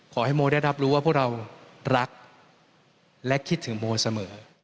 ขอให้โมได้รับรู้ว่าพวกเรารักและคิดถึงโมเสมอ